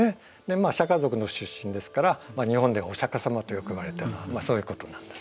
まあシャカ族の出身ですから日本でお釈迦様とよくいわれてるのはそういうことなんです。